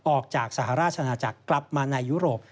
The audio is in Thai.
ออกจากสหราชนาจักรกลับมาในยุโรป